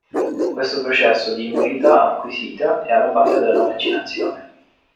Questo processo di immunità acquisita è alla base della vaccinazione.